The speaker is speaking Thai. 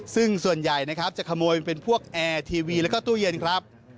ซึ่งส่วนใหญ่นะครับจะขโมยเป็นพวกแอร์ทีวีแล้วก็ตู้เย็นครับ